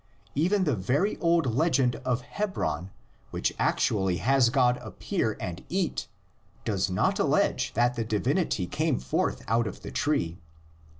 Even the very old legend of Hebron, which actually has God appear and eat, does not allege that the divinity came forth out of the tree.